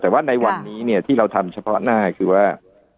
แต่ว่าในวันนี้เนี่ยที่เราทำเฉพาะหน้าคือว่า